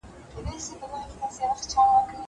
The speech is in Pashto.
زه به سبا قلم استعمالوم کړم.